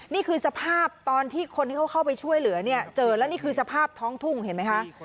นี่คือสภาพตอนที่คนที่เขาเข้าไปช่วยเหลือเนี่ยเจอแล้วนี่คือสภาพท้องทุ่งเห็นไหมคะ